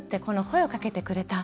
声をかけてくれた。